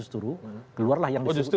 oh justru dimotori pak amin rais ya